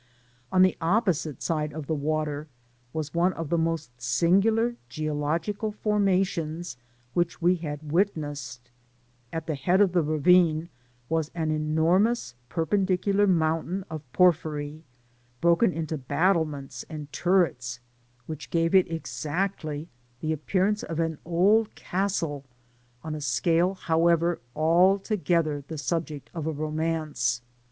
On the opposite side of the water, was one of the most singular geological formations which we had witnessed. At the head of a ravine was an enor mous perpendicular mountain of porphyry, broken into battlements and turrets, which gave it ex actly the appearance of an old castle, on a scale, however, altogether the subject of a romance.